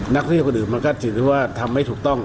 นักเรียนคนอื่นมันก็ถือได้ว่าทำไม่ถูกต้อง